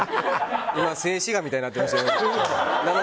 今、静止画みたいになっていましたよ。